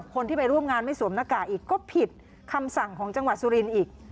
คนที่ไปร่วมงานไม่สวมหน้ากากอีกก็ผิดคำสั่งของจังหวัดสุรินทร์อีก